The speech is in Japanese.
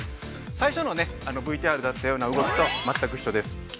最初のＶＴＲにあったような動きと全く一緒です。